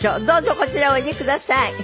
どうぞこちらへおいでください。